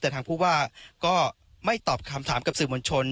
แต่ทางผู้ว่าก็ไม่ตอบคำถามกับสื่อมวลชน